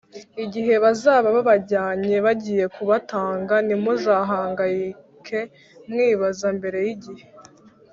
igihe bazaba babajyanye bagiye kubatanga ntimuzahangayike mwibaza mbere y igihe